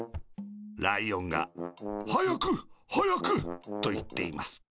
ライオンが「はやくはやく」といっています。